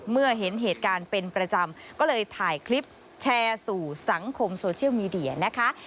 เมื่อเห็นเหตุการณ์เป็นประจำก็เลยถ่ายคลิปแชร์สู่สังคมโซเชียลมีเดียนะคะ